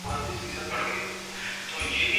تو قصور کس کا ہے؟